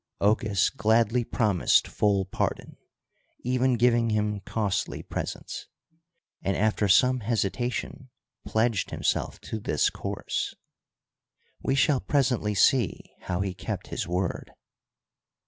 Ochus gladly promised full par don, even giving^ him costly presents, and after some hesi tation pledged himself to this course. We shall presently see how he kept his word.